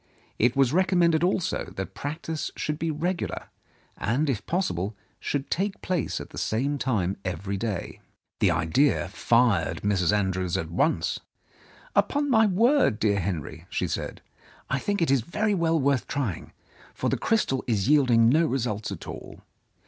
It was recom mended also that practice should be regular, and, if i75 Mrs. Andrews's Control possible, should take place at the same time every day. The idea fired Mrs. Andrews at once. "Upon my word, dear Henry," she said, "I think it is very well worth trying, for the crystal is yield ing no results at all.